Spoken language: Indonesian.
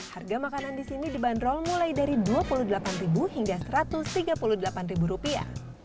harga makanan di sini dibanderol mulai dari dua puluh delapan hingga satu ratus tiga puluh delapan rupiah